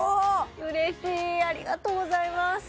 うれしいありがとうございます